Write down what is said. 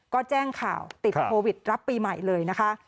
ก็แจ้งข่าวติดโควิดรับปีใหม่เลยนะคะ